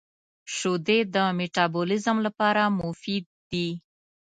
• شیدې د مټابولیزم لپاره مفید دي.